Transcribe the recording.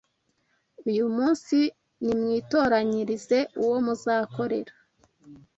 Uyu munsi nimwitoranyirize uwo muzakorera